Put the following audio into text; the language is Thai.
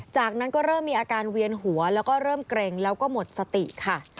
จากนั้นก็เริ่มมีอาการเวียนหัวแล้วก็เริ่มเกร็งแล้วก็หมดสติค่ะ